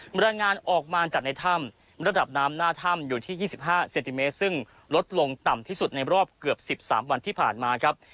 รายงานออกมาจากในถ้ำระดับน้ำหน้าถ้ำอยู่ที่๒๕เซนติเมตรซึ่งลดลงต่ำที่สุดในรอบเกือบ๑๓วันที่ผ่านมาครับ